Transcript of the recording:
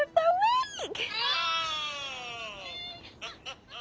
ハハハッ。